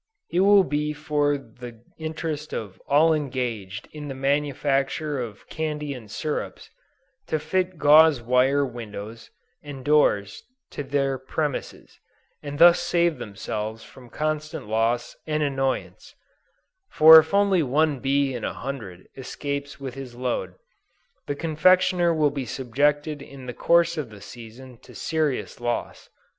It will be for the interest of all engaged in the manufacture of candy and syrups, to fit gauze wire windows and doors to their premises, and thus save themselves from constant loss and annoyance: for if only one bee in a hundred escapes with his load, the confectioner will be subjected in the course of the season to serious loss.